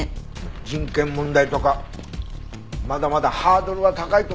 人権問題とかまだまだハードルは高いと思いますけどね。